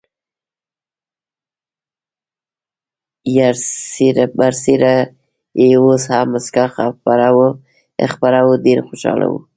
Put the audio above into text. پر څېره یې اوس هم مسکا خپره وه، ډېر خوشحاله و.